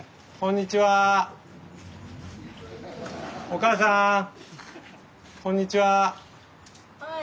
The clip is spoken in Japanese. おかあさんこんにちは。